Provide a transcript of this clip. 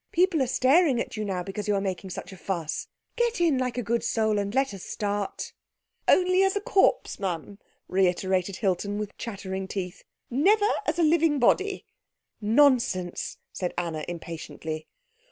People are staring at you now because you are making such a fuss. Get in like a good soul, and let us start." "Only as a corpse, m'm," reiterated Hilton with chattering teeth, "never as a living body." "Nonsense," said Anna impatiently.